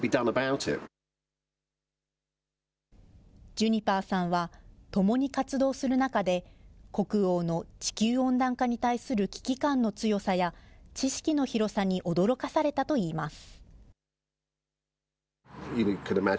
ジュニパーさんは、共に活動する中で、国王の地球温暖化に対する危機感の強さや、知識の広さに驚かされたといいます。